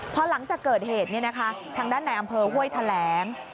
เพราะหลังจากเกิดเหตุเนี่ยนะคะทางด้านในอำเภอห้วยแถลง